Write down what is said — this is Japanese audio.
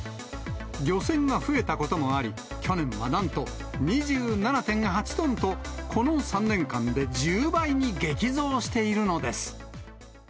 漁船が増えたこともあり、去年はなんと２７．８トンと、この３年間で１０倍に激増しているのです。